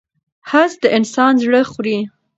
حسد د انسان زړه خوري.